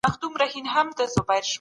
کمپيوټر برانډ لري.